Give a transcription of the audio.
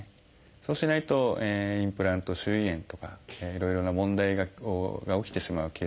そうしないとインプラント周囲炎とかいろいろな問題が起きてしまうケースが多いです。